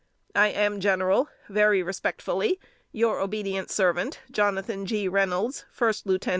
I am, General, very respectfully, Your obedient servant, JNO. G. REYNOLDS, _1st Lieut.